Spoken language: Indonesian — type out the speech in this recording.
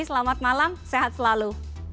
selamat malam sehat selalu